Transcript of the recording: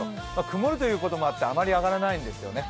曇るということもあってあまり上がらないんですよね。